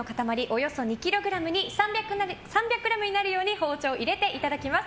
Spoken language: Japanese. およそ２ｋｇに３００ｇになるように包丁を入れていただきます。